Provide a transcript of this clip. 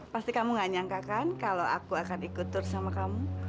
pasti kamu gak nyangkakan kalau aku akan ikut tur sama kamu